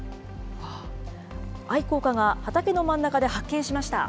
愛好家が畑の真ん中で発見しました。